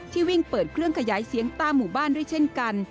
วิ่งเปิดเครื่องขยายเสียงตามหมู่บ้านด้วยเช่นกัน